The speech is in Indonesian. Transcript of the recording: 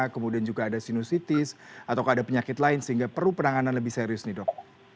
kemudian juga ada sinusitis atau ada penyakit lain sehingga perlu penanganan lebih serius nih dok